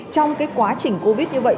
trong cái quá trình covid như vậy